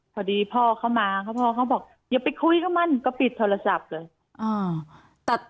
พอดีพ่อเขามาพ่อเขาบอกอย่าไปคุยกับมันก็ปิดโทรศัพท์เลย